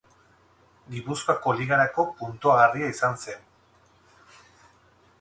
Gipuzkoako Ligarako puntuagarria izan zen.